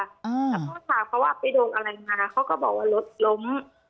แล้วก็ถามเขาว่าไปโดนอะไรมาเขาก็บอกว่ารถล้ม